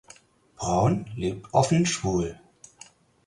Brown lebt offen schwul.